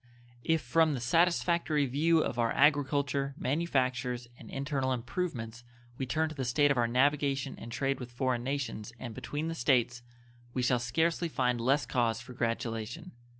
If from the satisfactory view of our agriculture, manufactures, and internal improvements we turn to the state of our navigation and trade with foreign nations and between the States, we shall scarcely find less cause for gratulation.